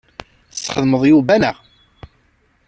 Tesxedmeḍ Yuba, naɣ?